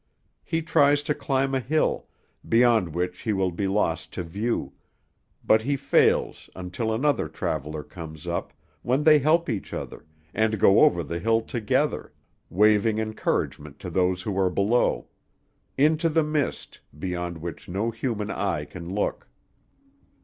He tries to climb a hill, beyond which he will be lost to view; but he fails until another traveller comes up, when they help each other, and go over the hill together, waving encouragement to those who are below; into the mist, beyond which no human eye can look.